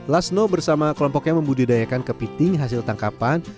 lasno bersama kelompoknya membudidayakan kepiting hasil tangkapan